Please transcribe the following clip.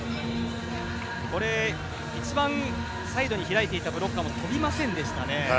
一番サイドに開いていたブロッカーも跳びませんでしたね。